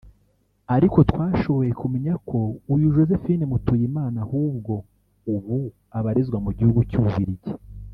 Ariko twashoboye kumenya ko uyu Josephine Mutuyimana ahubwo ubu abarizwa mu gihugu cy’u Bubiligi